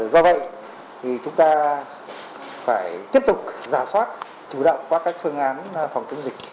do vậy chúng ta phải tiếp tục giả soát chủ động qua các phương án phòng chống dịch